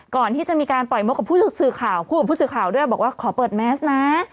ก่อนที่จะมีการปล่อยมกกับผู้สื่อข่าวพูดกับผู้สื่อข่าวด้วยบอกว่าขอเปิดแมสนะ